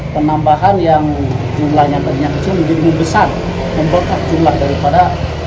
penambahan yang jumlahnya banyak jadi membesar membekak jumlah daripada